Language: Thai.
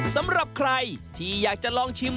สำหรับใครที่อยากจะลองชิม